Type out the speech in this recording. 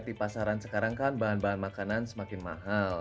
di pasaran sekarang kan bahan bahan makanan semakin mahal